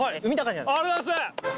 ありがとうございます！